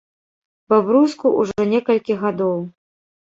Бабруйску ўжо некалькі гадоў.